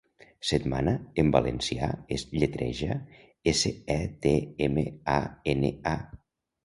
'Setmana' en valencià es lletreja: esse, e, te, eme, a, ene, a.